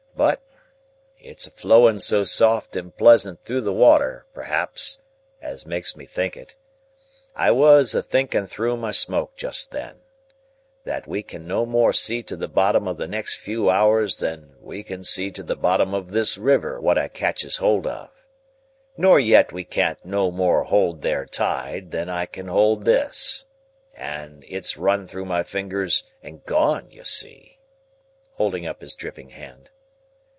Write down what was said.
But—it's a flowing so soft and pleasant through the water, p'raps, as makes me think it—I was a thinking through my smoke just then, that we can no more see to the bottom of the next few hours than we can see to the bottom of this river what I catches hold of. Nor yet we can't no more hold their tide than I can hold this. And it's run through my fingers and gone, you see!" holding up his dripping hand.